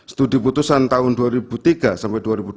studi putusan tahun dua ribu tiga sampai dua ribu dua puluh